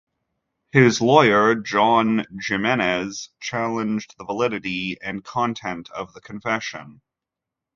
His lawyer, John Jimenez, challenged the validity and content of the confession.